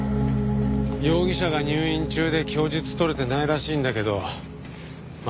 容疑者が入院中で供述取れてないらしいんだけどま